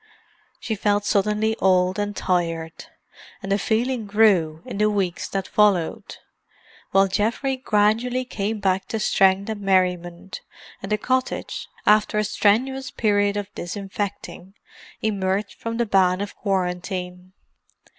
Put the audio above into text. She felt suddenly old and tired; and the feeling grew in the weeks that followed, while Geoffrey gradually came back to strength and merriment, and the cottage, after a strenuous period of disinfecting, emerged from the ban of quarantine.